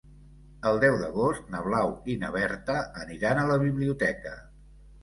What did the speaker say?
El deu d'agost na Blau i na Berta aniran a la biblioteca.